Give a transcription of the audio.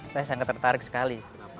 saya sangat tertarik sekali